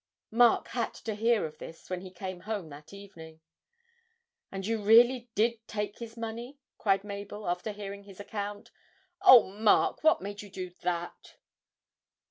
Mark had to hear of this when he came home that evening. 'And you really did take his money?' cried Mabel, after hearing his account. 'Oh, Mark, what made you do that?'